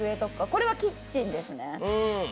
これはキッチンですね。